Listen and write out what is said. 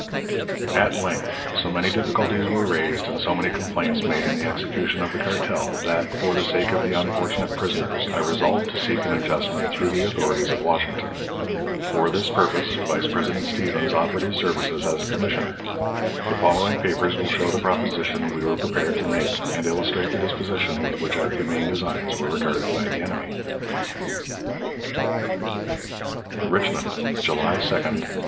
At length, so many difficulties were raised and so many complaints made in the execution of the cartel, that, for the sake of the unfortunate prisoners, I resolved to seek an adjustment through the authorities at Washington. For this purpose Vice President Stephens offered his services as a commissioner. The following papers will show the proposition we were prepared to make, and illustrate the disposition with which our humane designs were regarded by the enemy: "RICHMOND, _July 2, 1863.